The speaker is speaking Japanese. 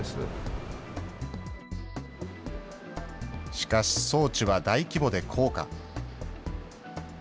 しかし、装置は大規模で高価。